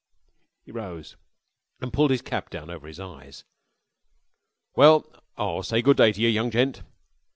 He rose and pulled his cap down over his eyes. "Well, I'll say good day to yer, young gent."